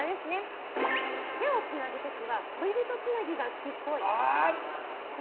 手をつなぐ時は恋人つなぎが好きっぽい。